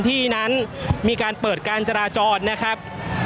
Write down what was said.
ที่นั้นมีการเปิดการจราจรนะครับ